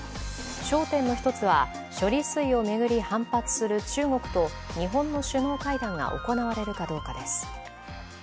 焦点の１つは、処理水を巡り反発する中国と日本の首脳会談が行われるかどうかです。